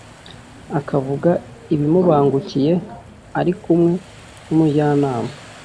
akavuga ibimubangukiye, ari kumwe n’umujyanama.